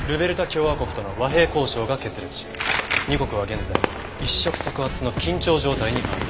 共和国との和平交渉が決裂し２国は現在一触即発の緊張状態にある。